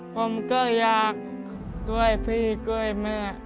ผมก็อยากด้วยพี่ก็ด้วยแม่